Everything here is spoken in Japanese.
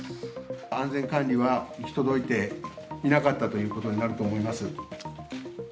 安全管理は行き届いていなかったということになると思います。